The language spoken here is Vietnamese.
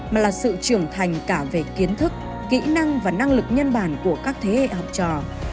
mà là sự trưởng thành cả về kiến thức kỹ năng và năng lực nhân bản của các thế hệ học trò